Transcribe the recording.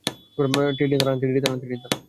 Teddy, দাঁড়ান!